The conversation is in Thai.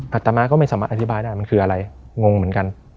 อัตมาก็ไม่สามารถอธิบายได้มันคืออะไรงงเหมือนกัน